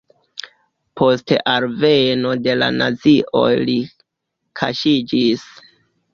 Post alveno de la nazioj li kaŝiĝis.